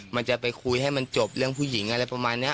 มันจะไปคุยให้มันจบเรื่องผู้หญิงอะไรประมาณนี้